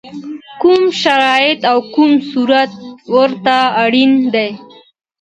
کوم شرایط او کوم صورت ورته اړین دی؟